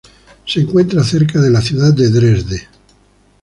Se encuentra cerca de la ciudad de Dresde.